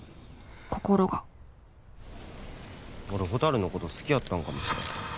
心が俺ほたるのこと好きやったのかもしれへん。